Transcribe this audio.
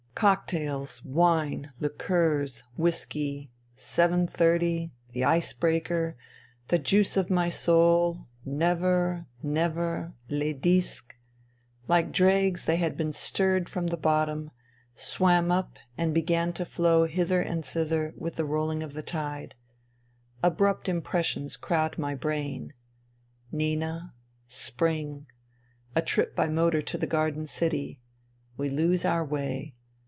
Cocktails, wine, liqueurs, whisky ... 7.30, the ice breaker, the juice of my soul, never, never, les disques, ... Like dregs, they had been stirred from the bottom, swam up and began to flow hither and thither with the rolling of the tide. Abrupt impressions crowd my brain. Nina. Spring. A trip by motor to the Garden City. We lose our way.